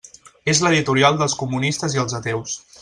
És l'editorial dels comunistes i els ateus.